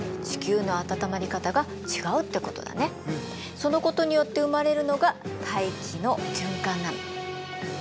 そのことによって生まれるのが大気の循環なの。